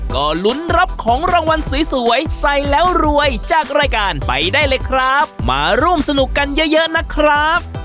ก็ลุ้นรับของรางวัลสวยใส่แล้วรวยจากรายการไปได้เลยครับมาร่วมสนุกกันเยอะเยอะนะครับ